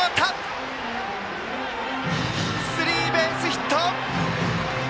スリーベースヒット！